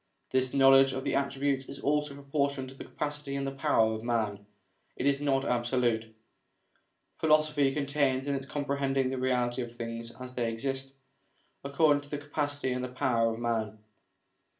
This knowledge of the attributes is also proportioned to the capacity and power of man ; it is not absolute. Philosophy consists in compre hending the reality of things as they exist, according POWERS AND CONDITIONS OF MAN 257 to the capacity and the power of man.